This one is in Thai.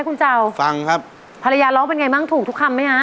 ภรรยาเร๊าวเป็นยังไงมั่งถูกทุกคำไหมฮะ